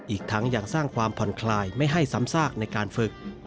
อีกทั้งยังสร้างความผ่อนคลายไม่ให้ซ้ำซากในการฝึก